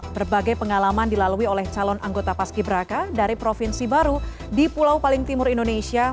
berbagai pengalaman dilalui oleh calon anggota paski beraka dari provinsi baru di pulau paling timur indonesia